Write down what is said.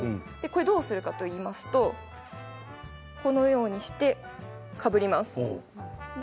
どうするかといいますとこのようにしてかぶります。